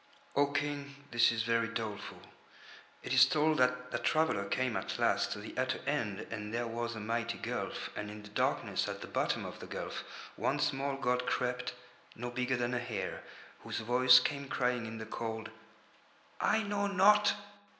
O King this is very doleful. It is told that that traveller came at last to the utter End and there was a mighty gulf, and in the darkness at the bottom of the gulf one small god crept, no bigger than a hare, whose voice came crying in the cold: "I know not."